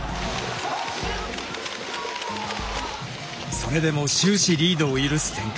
それでも終始リードを許す展開。